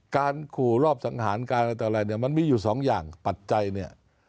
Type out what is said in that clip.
การขู่รอบสังหารการอะไรต่ออะไรเนี่ยมันมีอยู่สองอย่างปัจจัยเนี่ย